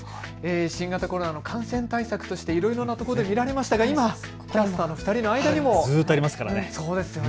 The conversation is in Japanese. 新型コロナの感染対策としていろいろなところで見られましたが今お二人の間にもずっとありますからね。